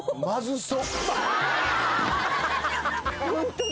まずそっ